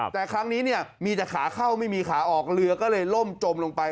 แต่ครั้งนี้เนี่ยมีแต่ขาเข้าไม่มีขาออกเรือก็เลยล่มจมลงไป